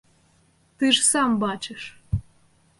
Ты ж сам бачыш.